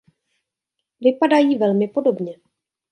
Vypadají velmi podobně.